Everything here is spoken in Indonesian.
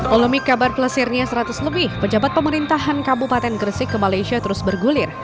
polemik kabar pelesirnya seratus lebih pejabat pemerintahan kabupaten gresik ke malaysia terus bergulir